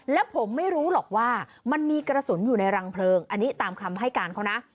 และผมไม่รู้หรอกว่ามันมีกระสุนอยู่ในรังเพลิงอันนี้ตามคำให้การเขานะ